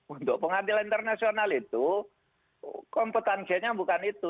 untuk pengadilan internasional itu kompetensinya bukan itu